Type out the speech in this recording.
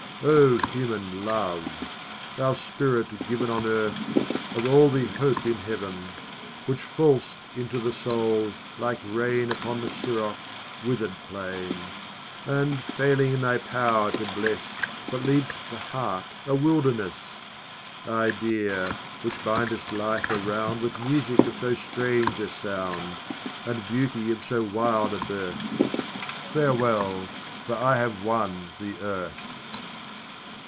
O, human love! thou spirit given On Earth, of all we hope in Heaven! Which fall'st into the soul like rain Upon the Siroc wither'd plain, And, failing in thy power to bless, But leav'st the heart a wilderness! Idea! which bindest life around With music of so strange a sound, And beauty of so wild a birth Farewell! for I have won the Earth.